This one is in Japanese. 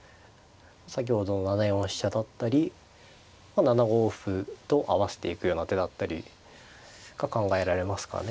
先ほどの７四飛車だったりまあ７五歩と合わせていくような手だったりが考えられますかね。